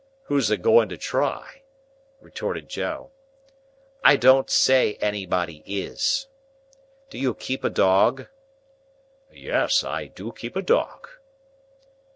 "Who's a going to try?" retorted Joe. "I don't say anybody is. Do you keep a dog?" "Yes, I do keep a dog."